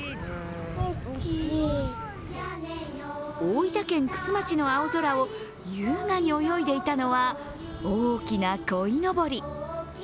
大分県玖珠町の青空を優雅に泳いでいたのは、大きなこいのぼり。